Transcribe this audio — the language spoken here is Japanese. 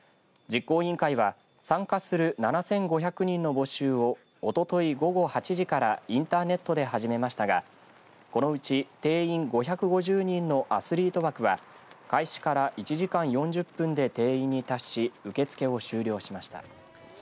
実行委員会は参加する７５００人の募集をおととい午後８時からインターネットで始めましたがこのうち定員５５０人のアスリート枠は開始から１時間４０分で定員に達し受け付けを終了しました。